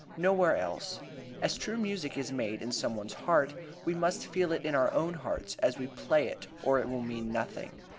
Nowhere else. As true music is made in some one's heart, we must feel it in our own hearts as we play it or it will mean nothing.